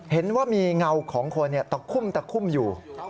เห็นว่ามีเงาของคนตะคุ่มอยู่